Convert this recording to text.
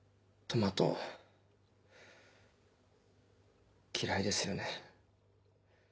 トマト嫌いですよね？